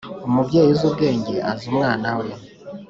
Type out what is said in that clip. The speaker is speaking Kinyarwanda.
umubyeyi uzi ubwenge azi umwana we